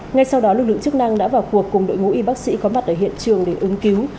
ngay sau đó lực lượng chức năng đã vào cuộc cùng đội ngũ y bác sĩ có mặt ở hiện trường để ứng cứu